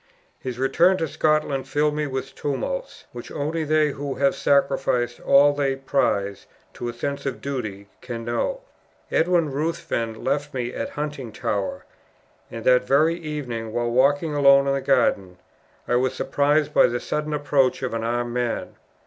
His return to Scotland filled me with tumults, which only they who would sacrifice all they prize to a sense of duty, can know. Edwin Ruthven left me at Huntingtower; and, that very evening, while walking alone in the garden, I was surprised by the sudden approach of an armed man.